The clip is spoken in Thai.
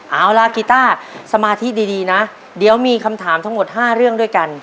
เอาล่ะกีต้าสมาธิดีนะเดี๋ยวมีคำถามทั้งหมด๕เรื่องด้วยกัน